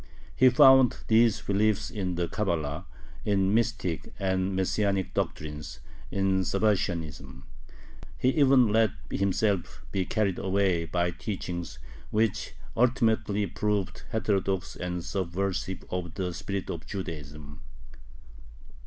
He found these beliefs in the Cabala, in mystic and Messianic doctrines, in Sabbatianism. He even let himself be carried away by teachings which ultimately proved heterodox and subversive of the spirit of Judaism.